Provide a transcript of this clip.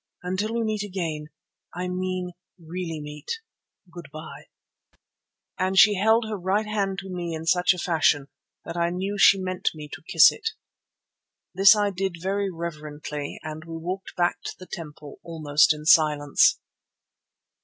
Until we meet again—I mean really meet—good bye," and she held her right hand to me in such a fashion that I knew she meant me to kiss it. This I did very reverently and we walked back to the temple almost in silence.